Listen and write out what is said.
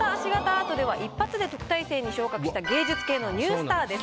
アートでは一発で特待生に昇格した芸術系のニュースターです。